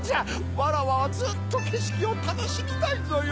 わらわはずっとけしきをたのしみたいぞよ。